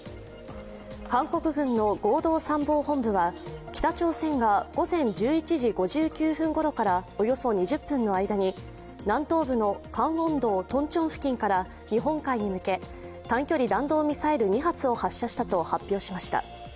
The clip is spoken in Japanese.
韓国軍の合同参謀本部は北朝鮮が午前１１時５９分ごろからおよそ２０分の間に南東部のカンウォンド・トンチョン付近に日本海に向け、短距離弾道ミサイル２発を発射したと発表しました。